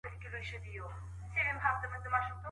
هغوی د خپلو غاښونو په پاک ساتلو بوخت دي.